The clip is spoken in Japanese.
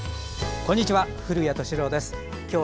こんにちは。